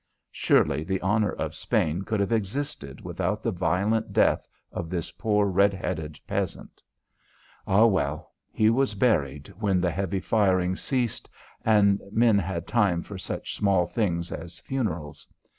Surely the honour of Spain could have existed without the violent death of this poor red headed peasant? Ah well, he was buried when the heavy firing ceased and men had time for such small things as funerals.